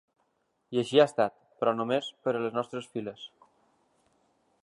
I així ha estat, però només per a les nostres files.